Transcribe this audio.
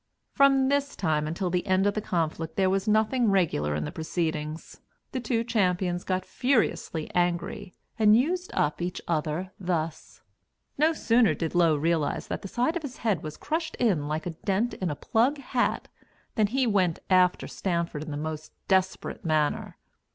From this time until the end of the conflict, there was nothing regular in the proceedings. The two champions got furiously angry, and used up each other thus: No sooner did Low realize that the side of his head was crushed in like a dent in a plug hat, than he "went after" Stanford in the most desperate manner.